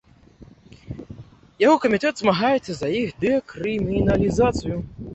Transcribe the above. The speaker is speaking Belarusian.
Яго камітэт змагаецца за іх дэкрыміналізацыю.